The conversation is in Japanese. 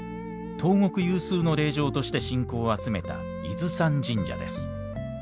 東国有数の霊場として信仰を集めた伊豆山神社です。